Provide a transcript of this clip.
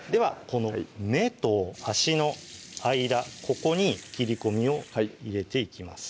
この目と足の間ここに切り込みを入れていきます